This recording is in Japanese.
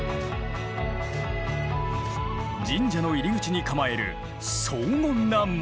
神社の入り口に構える荘厳な門。